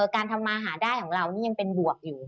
การทำมาหาได้ของเรานี่ยังเป็นบวกอยู่